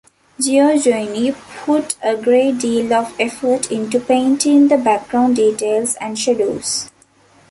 Giorgione put a great deal of effort into painting the background details and shadows.